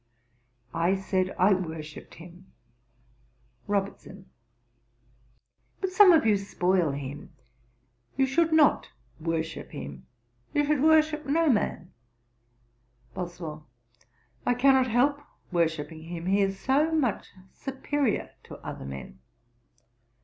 I said I worshipped him. ROBERTSON. 'But some of you spoil him; you should not worship him; you should worship no man.' BOSWELL. 'I cannot help worshipping him, he is so much superiour to other men.'